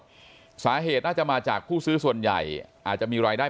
สาเหตุน่าจะมาจากผู้ซื้อส่วนใหญ่อาจจะมีรายได้